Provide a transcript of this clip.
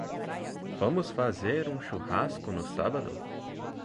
Vamos fazer um churrasco no sábado?